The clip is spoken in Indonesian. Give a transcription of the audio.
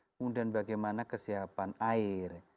kemudian bagaimana kesiapan air